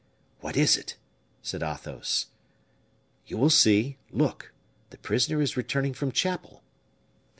"What is it?" said Athos. "You will see. Look. The prisoner is returning from chapel."